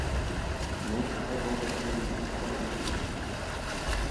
– Ну, – продолжал Зурин, – так и быть.